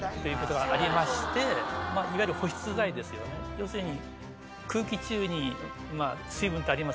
要するに。